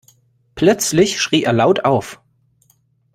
Plötzlich schrie er laut auf.